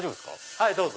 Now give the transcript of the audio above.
はいどうぞ。